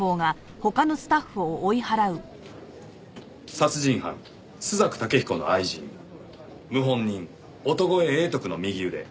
「『殺人犯・朱雀武比古の愛人！』」「『謀反人・音越栄徳の右腕！』」